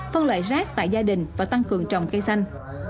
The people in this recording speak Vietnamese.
phân loại rác tại gia đình và tăng cường trồng cây xanh